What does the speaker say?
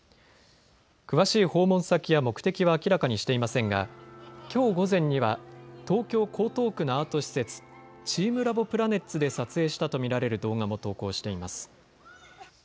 詳しい訪問先や目的は明らかにしていませんがきょう午前には東京江東区のアート施設、チームラボプラネッツで撮影したと見られる動画も投稿しています。